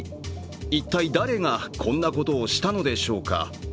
一体、誰がこんなことをしたのでしょうか。